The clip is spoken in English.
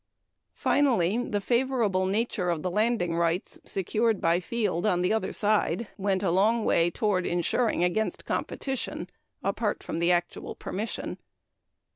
Finally, the favorable nature of the landing rights secured by Field on the other side went a long way toward insuring against competition, apart from the actual permission.